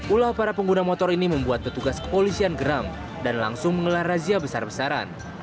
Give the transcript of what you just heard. ulah para pengguna motor ini membuat petugas kepolisian geram dan langsung mengelar razia besar besaran